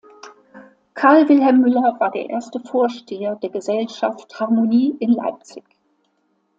Carl Wilhelm Müller war der erste Vorsteher der Gesellschaft Harmonie in Leipzig.